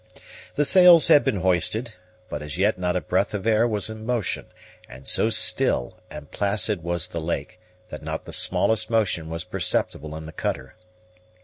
The sails had been hoisted, but as yet not a breath of air was in motion; and so still and placid was the lake, that not the smallest motion was perceptible in the cutter.